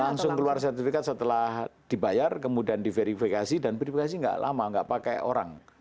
langsung keluar sertifikat setelah dibayar kemudian diverifikasi dan verifikasi nggak lama nggak pakai orang